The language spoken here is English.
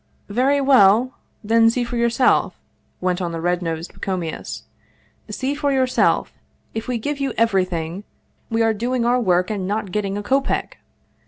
" Very well, then, see for yourself," went on the red nosed Pacomius, " see for yourself. If we give you every thing, we are doing our work and not getting a kopeck